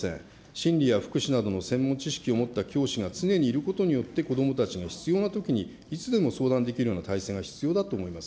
心理や福祉などの専門知識を持った教師が常にいることによって子どもたちの必要なときにいつでも相談できるような体制が必要だと思います。